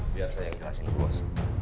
biasa yang kerasin aku bos